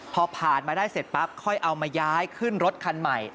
พอผ่านมาได้เสร็จปั๊บค่อยเอามาย้ายขึ้นรถคันใหม่